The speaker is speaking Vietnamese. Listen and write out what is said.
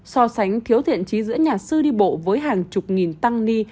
so sánh thiếu thiện trí giữa nhà sư đi bộ với hàng chục nghìn tăng ni